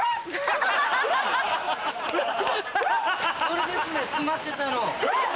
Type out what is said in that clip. これですね詰まってたの。